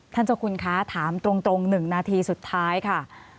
เจ้าคุณคะถามตรง๑นาทีสุดท้ายค่ะ